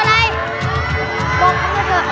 บวนเขาเลยเถอะ